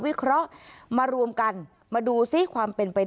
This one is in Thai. หน้าผู้ใหญ่ในจังหวัดคาดว่าไม่คนใดคนหนึ่งนี่แหละนะคะที่เป็นคู่อริเคยทำรักกายกันมาก่อน